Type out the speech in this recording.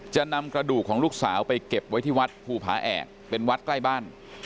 จะนำกระดูกของลูกสาวไปเก็บไว้ที่วัดภูผาแอกเป็นวัดใกล้บ้าน